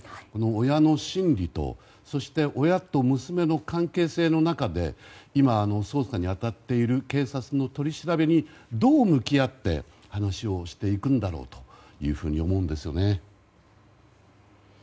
親の心理と親と娘の関係性の中で今捜査に当たっている警察の取り調べにどう向き合って話をしていくんだろうというふうに思うんですよね。